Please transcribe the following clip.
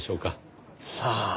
さあ。